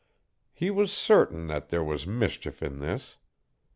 He was certain that there was mischief in this.